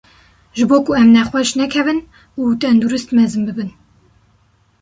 Ji bo ku em nexweş nekevin û tendurist mezin bibin.